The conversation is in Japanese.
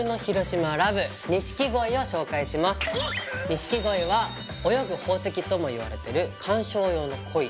錦鯉は「泳ぐ宝石」ともいわれてる観賞用の鯉。